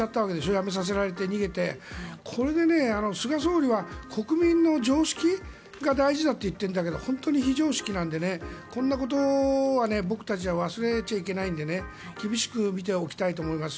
辞めさせられて逃げてこれで菅総理は国民の常識が大事だと言っているんだけど本当に非常識なのでこんなことは僕たちは忘れちゃいけないので厳しく見ておきたいと思います。